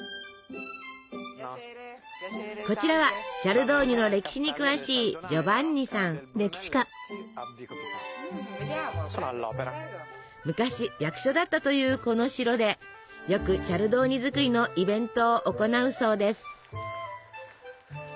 こちらはチャルドーニの歴史に詳しい昔役所だったというこの城でよくチャルドーニ作りのイベントを行うそうです。